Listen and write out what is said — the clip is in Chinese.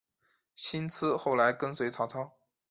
辛毗后来跟随曹操。